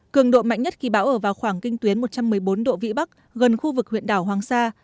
cường độ mạnh nhất khi bão ở vào khoảng kinh tuyến một trăm một mươi bốn độ vĩ bắc gần khu vực huyện đảo hoàng sa